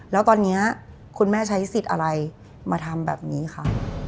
แล้วตอนนี้คุณแม่ใช้สิทธิ์อะไรมาทำแบบนี้ค่ะ